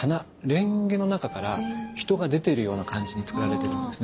蓮華の中から人が出ているような感じにつくられているんですね。